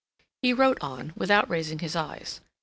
He wrote on, without raising his eyes.